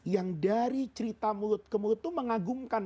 yang dari cerita mulut ke mulut itu mengagumkan